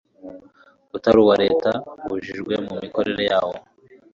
utari uwa Leta ubujijwe mu mikorere yawo